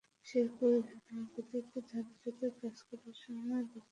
শেরপুরের ঝিনাইগাতীতে ধানখেতে কাজ করার সময় বিদ্যুৎস্পৃষ্ট হয়ে দুই কৃষক মারা গেছেন।